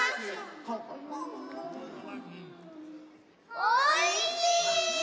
おいしい！